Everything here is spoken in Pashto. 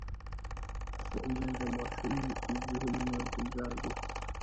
ښوونځی د ماشومو ذهنونو ګلزار دی